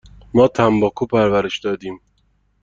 ما تنباکو پرورش دادیم.